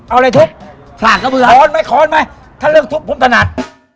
เอาเลยทุบสระกระเบือขอนไหมขอนไหมถ้าเลือกทุบผมถนัด